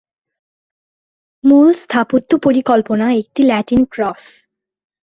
মূল স্থাপত্য পরিকল্পনা একটি ল্যাটিন ক্রস।